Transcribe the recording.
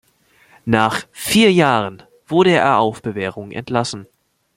Nach vier Jahren wurde er auf Bewährung entlassen.